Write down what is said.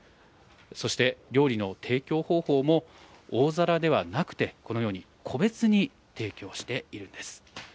そして料理の提供方法も、大皿ではなくて、このように個別に提供しているんです。